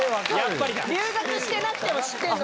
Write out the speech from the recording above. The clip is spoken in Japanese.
留学してなくても知ってるの。